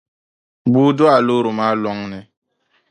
Bua do a loori maa lɔŋni